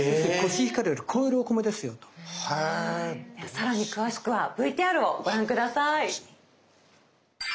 さらに詳しくはＶＴＲをご覧下さい。